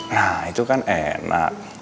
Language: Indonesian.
nah itu kan enak